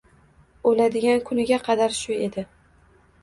Oʻladigan kuniga qadar shu edi.